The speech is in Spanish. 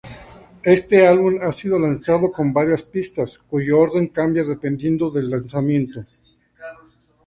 Este álbum ha sido lanzado con varias pistas, cuyo orden cambia dependiendo del lanzamiento.